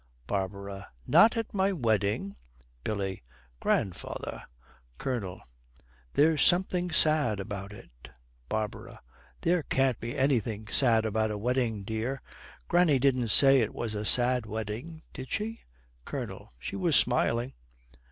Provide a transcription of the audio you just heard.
BARBARA. 'Not at my wedding!' BILLY. 'Grandfather!' COLONEL. 'There's something sad about it.' BARBARA. 'There can't be anything sad about a wedding, dear. Granny didn't say it was a sad wedding, did she?' COLONEL. 'She was smiling.'